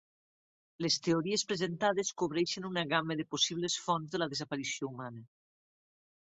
Les teories presentades cobreixen una gamma de possibles fonts de la desaparició humana.